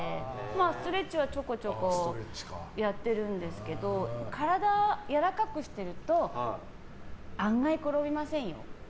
ストレッチはちょこちょこやってるんですけど体やわらかくしてるとあんまり転びませんよ？